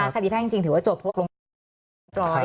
คดีแพ่งจริงถือว่าจบเพราะว่าตกลงกันไปเรียบร้อย